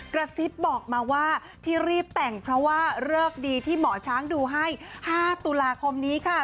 กระซิบบอกมาว่าที่รีบแต่งเพราะว่าเลิกดีที่หมอช้างดูให้๕ตุลาคมนี้ค่ะ